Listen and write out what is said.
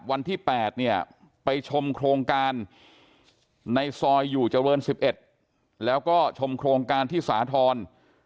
วันที่๘เนี่ยไปชมโครงการในซอยอยู่เจริญ๑๑แล้วก็ชมโครงการที่สาธรณ์